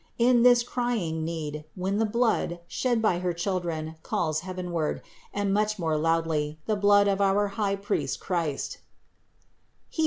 338 CITY OF GOD In this crying need, when the blood, shed by her chil dren calls heavenward, and much more loudly, the blood of our high Priest Christ (Heb.